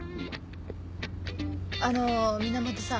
あの源さん。